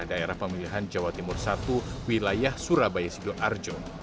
daerah pemilihan jawa timur satu wilayah surabaya sidoarjo